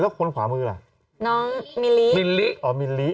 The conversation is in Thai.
แล้วคนขวามือล่ะน้องมิลลิมิลลิอ๋อมิลลิ